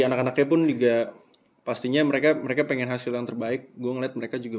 anak anaknya pun juga pastinya mereka mereka pengen hasil yang terbaik gue ngeliat mereka juga